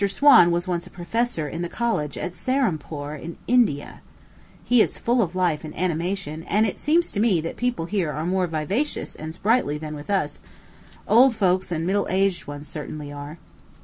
Swan was once a professor in the college at Serampore, in India. He is full of life and animation; and it seems to me that people here are more vivacious and sprightly than with us old folks and middle aged ones certainly are.